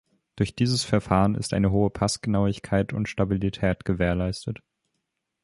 Durch dieses Verfahren ist eine hohe Passgenauigkeit und Stabilität gewährleistet.